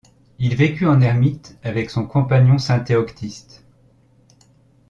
Il vécut en ermite, avec son compagnon saint Théoctiste.